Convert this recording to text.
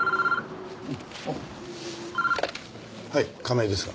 はい亀井ですが。